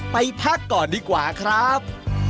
ไปพักก่อนดีกว่าครับ